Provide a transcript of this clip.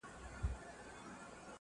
زما په مرگ دي خوشالي زاهدان هيڅ نکوي,